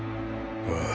ああ。